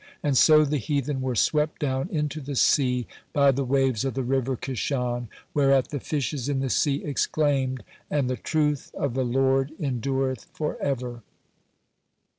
And so the heathen were swept down into the Sea by the waves of the river Kishon, whereat the fishes in the Sea exclaimed: "And the truth of the Lord endureth forever."